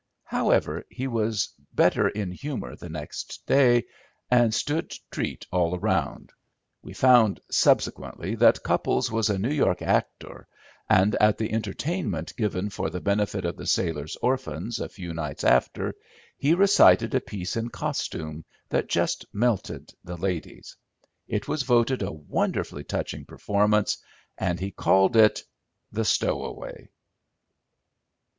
However, he was better in humour the next day, and stood treat all round. We found, subsequently, that Cupples was a New York actor, and at the entertainment given for the benefit of the sailors' orphans, a few nights after, he recited a piece in costume that just melted the ladies. It was voted a wonderfully touching performance, and he called it "The Stowaway."